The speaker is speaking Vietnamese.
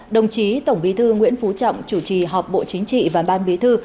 đồng chí tổng bí thư nguyễn phú trọng chủ trì họp bộ chính trị và ban bí thư